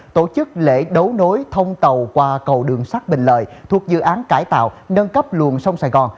tổ chức lễ đấu nối thông tàu qua cầu đường sắt bình lợi thuộc dự án cải tạo nâng cấp luồng sông sài gòn